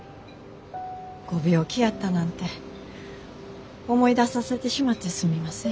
ご病気やったなんて思い出させてしまってすみません。